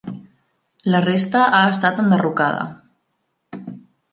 La resta ha estat enderrocada.